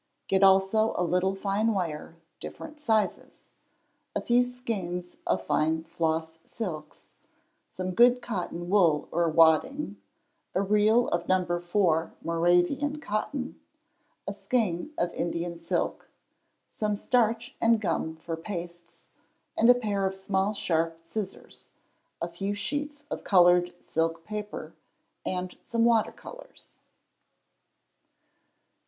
Get also a little fine wire, different sizes; a few skeins of fine floss silks, some good cotton wool or wadding, a reel of No. 4 Moravian cotton, a skein of Indian silk, some starch and gum for pastes, and a pair of small sharp scissors, a few sheets of coloured silk paper, and some water colours.